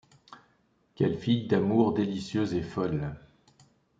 Quelle fille d’amour délicieuse et folle!